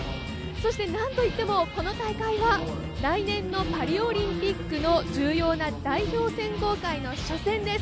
そしてなんといってもこの大会は来年のパリオリンピックの重要な代表選考会の初戦です。